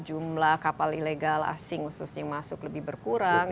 jumlah kapal ilegal asing khususnya yang masuk lebih berkurang